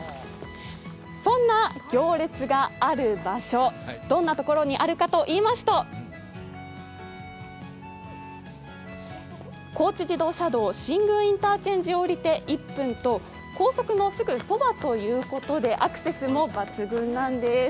そんな行列がある場所、どんなところにあるかと言いますと、高知自動車道・新宮インターチェンジを降りて１分と高速のすぐそばということでアクセスも抜群なんです。